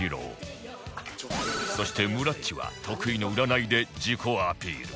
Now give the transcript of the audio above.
そしてむらっちは得意の占いで自己アピール